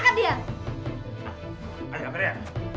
ada kamera ya